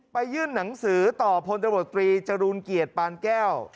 ยื่นหนังสือต่อพลตำรวจตรีจรูลเกียรติปานแก้ว